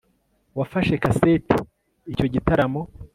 wafashe kaseti icyo gitaramo